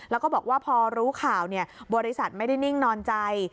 แล้วก็บอกว่าพอรู้ข่าวบริษัทไม่ได้นิ่งนอนใจ